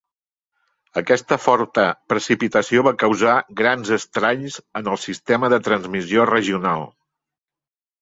Aquesta forta precipitació va causar grans estralls en el sistema de transmissió regional.